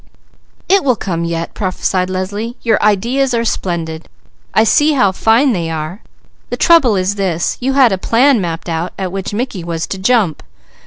"It will come yet," prophesied Leslie. "Your ideas are splendid! I see how fine they are! The trouble is this: you had a plan mapped out at which Mickey was to jump.